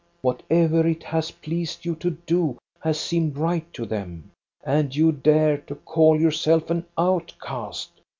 Whatever it has pleased you to do has seemed right to them. And you dare to call yourself an outcast!